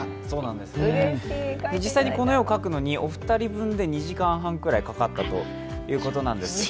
実際にこの絵を描くのにお二人分で２時間半ほどかかったということです。